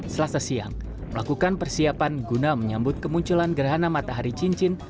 selasa siang melakukan persiapan guna menyambut kemunculan gerhana matahari cincin